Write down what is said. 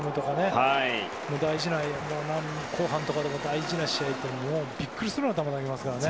大事な後半とかでも大事な試合でびっくりするような球を投げますからね。